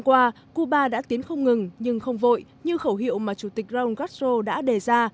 qua cuba đã tiến không ngừng nhưng không vội như khẩu hiệu mà chủ tịch raul castro đã đề ra